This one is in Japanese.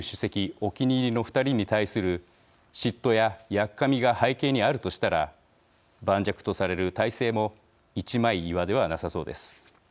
お気に入りの２人に対する嫉妬や、やっかみが背景にあるとしたら盤石とされる体制も一枚岩ではなさそうです。